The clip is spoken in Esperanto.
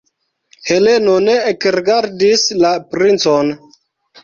Heleno ne ekrigardis la princon.